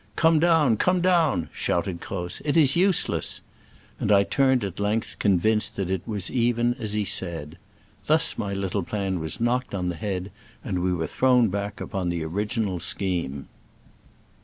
"Come down, come down,'* shouted Croz, "it is use less ;" and I turned at length, convinced that it was even as he said. Thus my little plan was knocked on the head, and we were thrown back upon the orig inal scheme.